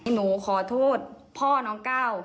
หนูขอโทษพ่อน้องก้าว